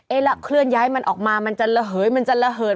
ละเคลื่อนย้ายมันออกมามันจะระเหยมันจะระเหิด